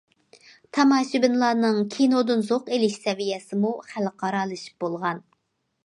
تاماشىبىنلارنىڭ كىنودىن زوق ئېلىش سەۋىيەسىمۇ خەلقئارالىشىپ بولغان.